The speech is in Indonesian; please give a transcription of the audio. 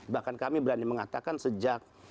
bahkan kami berani mengatakan sejak